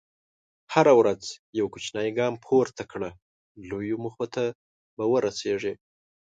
هره ورځ یو کوچنی ګام پورته کړه، لویو موخو ته به ورسېږې.